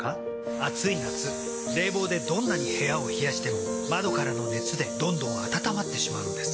暑い夏冷房でどんなに部屋を冷やしても窓からの熱でどんどん暖まってしまうんです。